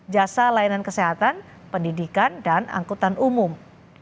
jasa layanan kesehatan pendidikan dan angkutan umum